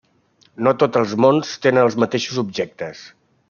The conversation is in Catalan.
No tots els mons tenen els mateixos objectes.